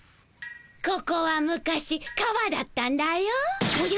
ここは昔川だったんだよ。